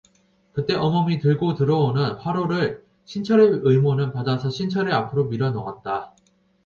그때 어멈이 들고 들어오는 화로를 신철의 의모는 받아서 신철의 앞으로 밀어 놓았다.